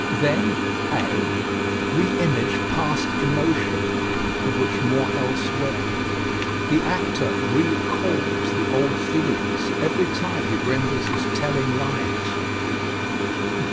Then (a) Re image past emotion of which more elsewhere. The actor re calls the old feelings every time he renders his telling lines.